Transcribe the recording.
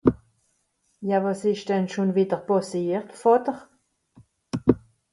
Ja, wàs ìsch denn schùn wìdder pàssiert, Vàter ?